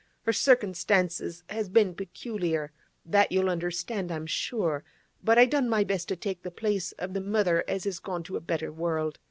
Her cirkinstances has been peculiar; that you'll understand, I'm sure. But I done my best to take the place of the mother as is gone to a better world.